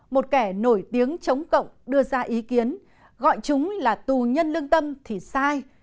một kẻ nổi tiếng chống cộng đưa ra ý kiến gọi chúng là tù nhân lương tâm thì sai